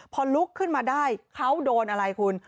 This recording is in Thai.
พอลุกขึ้นมาได้เขาโดนอะไรคุณ